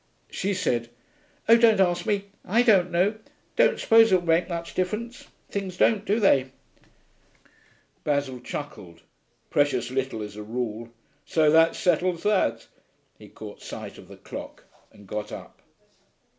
She said, 'Oh, don't ask me. I don't know. Don't suppose it will make much difference. Things don't, do they?' Basil chuckled. 'Precious little, as a rule.... So that settles that.' He caught sight of the clock and got up.